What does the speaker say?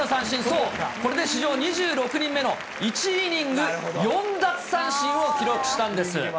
そう、これで史上２６人目の１イニング４奪三振を記録したんです。